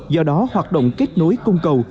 do đó hoạt động kết nối công cầu